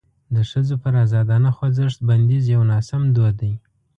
د ښځو پر ازادانه خوځښت بندیز یو ناسم دود دی.